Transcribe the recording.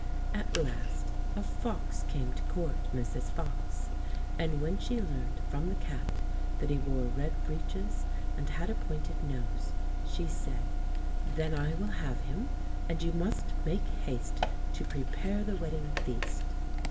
At last a fox came to court Mrs. Fox, and when she learned from the cat that he wore red breeches and had a pointed nose she said, "Then I will have him, and you must make haste to prepare the wedding feast."